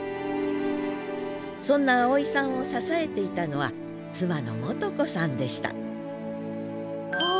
そんな青井さんを支えていたのは妻の元子さんでしたあっ